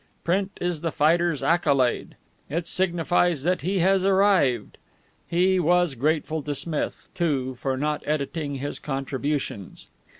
Print is the fighter's accolade. It signifies that he has arrived. He was grateful to Smith, too, for not editing his contributions.